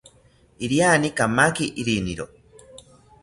Iriani kamaki riniro